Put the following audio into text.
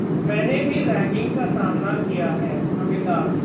मैंने भी रैगिंग का सामना किया है: अमिताभ